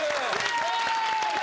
・イエイ！